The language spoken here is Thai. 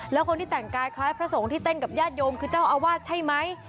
แล้วคนที่แต่งกายคล้ายพระสงฆ์ที่เต้นกับญาติโยมคือเจ้าอาวาสใช่ไหม